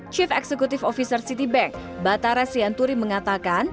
chief executive officer citibank batara sianturi mengatakan